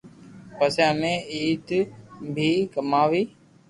پسي امي عيد پي ڪماوي